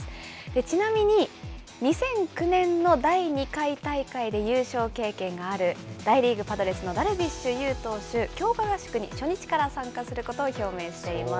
ちなみに２００９年の第２回大会で優勝経験がある、大リーグ・パドレスのダルビッシュ有投手、強化合宿に初日から参加することを表明しています。